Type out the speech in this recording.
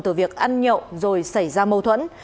từ việc ăn nhậu rồi xảy ra mâu thuẫn